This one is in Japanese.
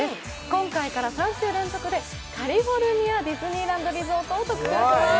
今回から３週連続でカリフォルニア・ディズニーランド・リゾートを特集します！